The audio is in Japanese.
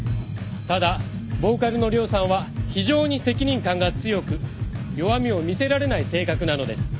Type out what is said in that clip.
ただボーカルのＲＹＯさんは非常に責任感が強く弱みを見せられない性格なのです。